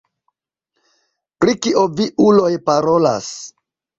Pri kio vi uloj parolas?